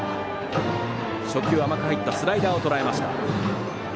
初球、甘く入ったスライダーをとらえました。